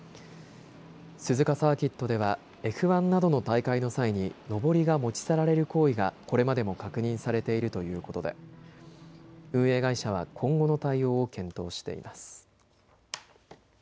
鈴鹿サーキットではＦ１などの大会の際にのぼりが持ち去られる行為がこれまでも確認されているということで運営会社は今後の対応を検討しています。